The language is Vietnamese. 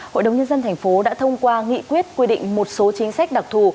hội đồng nhân dân thành phố đã thông qua nghị quyết quy định một số chính sách đặc thù